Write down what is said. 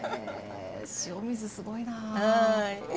塩水すごいな。